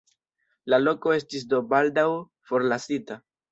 La loko estis do baldaŭ forlasita.